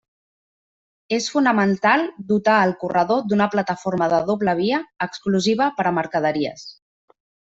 És fonamental dotar el corredor d'una plataforma de doble via exclusiva per a mercaderies.